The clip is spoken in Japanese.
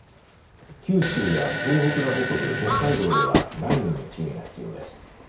九州や東北の北部、北海道では雷雨に注意が必要です。